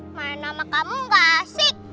mana sama kamu gak asik